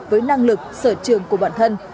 với năng lực sở trường của bản thân